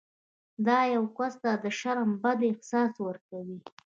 دا یو کس ته د شرم بد احساس ورکوي.